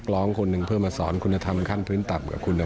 ลองไปฟังดูค่ะ